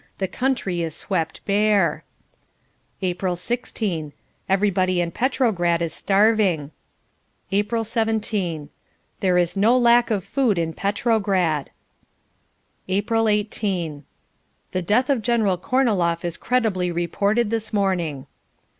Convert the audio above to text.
The country is swept bare. April 16. Everybody in Petrograd is starving. April 17. There is no lack of food in Petrograd. April 18. The death of General Korniloff is credibly reported this morning.